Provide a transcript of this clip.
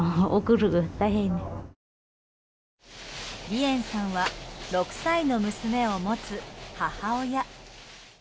リエンさんは６歳の娘を持つ母親。